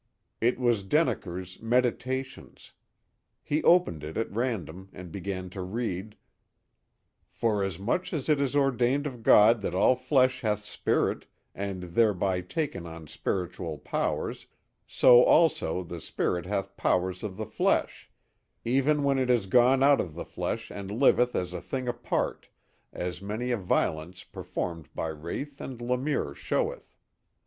It was Denneker's "Meditations." He opened it at random and began to read: "Forasmuch as it is ordained of God that all flesh hath spirit and thereby taketh on spiritual powers, so, also, the spirit hath powers of the flesh, even when it is gone out of the flesh and liveth as a thing apart, as many a violence performed by wraith and lemure sheweth.